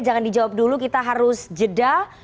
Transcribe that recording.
jangan dijawab dulu kita harus jeda